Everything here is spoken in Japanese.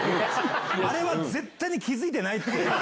あれは絶対に気付いてないって。